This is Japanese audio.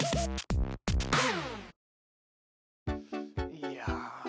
いや。